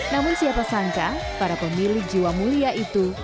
namun siapa sangka para pemilik jiwa mulia itu